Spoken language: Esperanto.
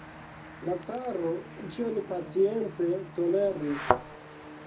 La caro ĉion pacience toleris.